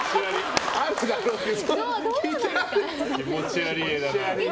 気持ち悪い。